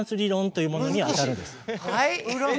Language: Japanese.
はい？